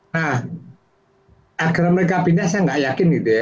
nah agar mereka pindah saya nggak yakin gitu ya